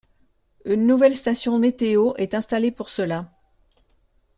Une nouvelle station météo est installée pour cela.